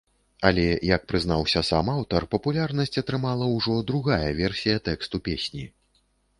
Але, як прызнаўся сам аўтар, папулярнасць атрымала ўжо другая версія тэксту песні.